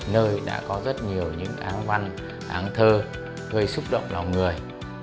nơi đã có rất nhiều những áng văn áng thơ gây xúc động lòng người